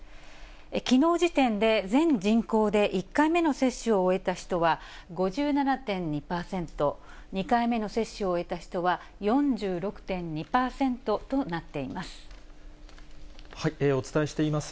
きのう時点で全人口で１回目の接種を終えた人は５７．２％、２回目の接種を終えた人は、４６．２％となっています。